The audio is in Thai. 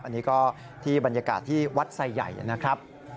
อันนี้ก็ที่บรรยากาศที่วัดไซใหญ่นะครับ